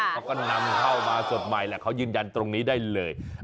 เขาก็นำเข้ามาสดใหม่แหละเขายืนยันตรงนี้ได้เลย